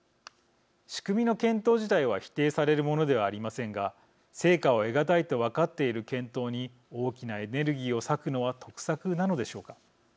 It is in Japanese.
仕組みの検討自体は否定されるものではありませんが成果を得がたいと分かっている検討に大きなエネルギーを割くのは得策なのでしょうか。